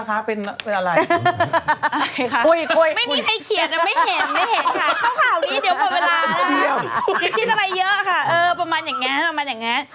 คิดอะไรเยอะค่ะประมาณอย่างนี้